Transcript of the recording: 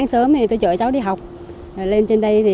là tôi trở lại nhà trẻ miễn phí